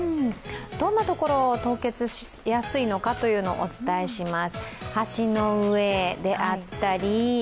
どんなところが凍結しやすいのかお伝えします。